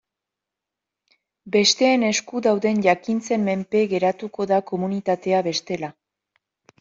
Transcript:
Besteen esku dauden jakintzen menpe geratuko da komunitatea bestela.